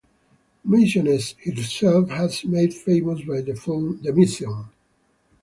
Misiones itself has been made famous by the film The Mission.